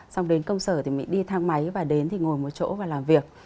xong đến công sở thì mình đi thang máy và đến thì ngồi một chỗ và làm việc